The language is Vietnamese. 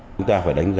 chúng ta phải đánh giá